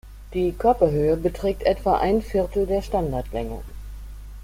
Die Körperhöhe beträgt etwa ein Viertel der Standardlänge.